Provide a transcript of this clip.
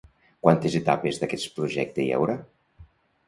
Quantes etapes d'aquest projecte hi haurà?